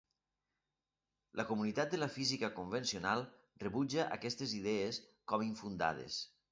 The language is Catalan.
La comunitat de la física convencional rebutja aquestes idees com infundades.